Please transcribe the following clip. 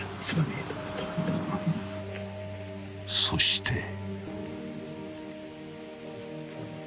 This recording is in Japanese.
［そして］